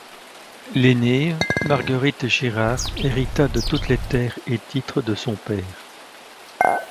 L'aînée, Marguerite Girard, hérita de toutes les terres et titres de son père.